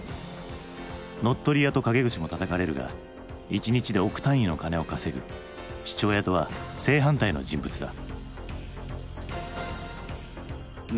乗っ取り屋と陰口もたたかれるが一日で億単位の金を稼ぐ父親とは正反対の人物だ。